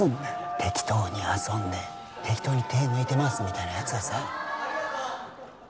適当に遊んで適当に手抜いてますみたいなやつがさ